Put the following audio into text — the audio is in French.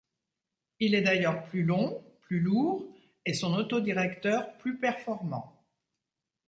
Il est d’ailleurs plus long, plus lourd et son autodirecteur plus performant.